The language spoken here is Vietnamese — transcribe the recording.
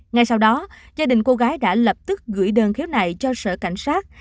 ngay sau đó gia đình cô gái đã lập tức gửi đơn khiếu nại cho sở cảnh sát